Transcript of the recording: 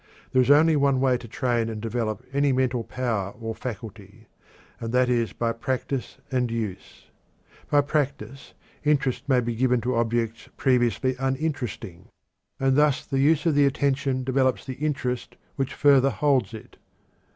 There is only one way to train and develop any mental power of faculty and that is by practice and use. By practice, interest may be given to objects previously uninteresting, and thus the use of the attention develops the interest which further holds it.